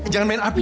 jangan main api